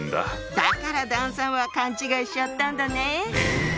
だから段さんは勘違いしちゃったんだね。